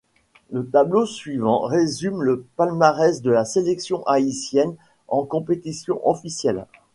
Le tableau suivant résume le palmarès de la sélection haïtienne en compétitions officielles.